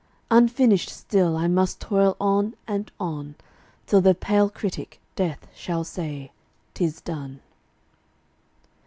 Unfinished still, I must toil on and on, Till the pale critic, Death, shall say, "'Tis done."